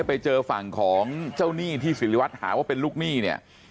ไปเจอฝั่งของเจ้าหนี้ที่สิริวัตรหาว่าเป็นลูกหนี้เนี่ย